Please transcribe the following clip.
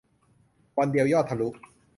วันเดียวยอดทะลุ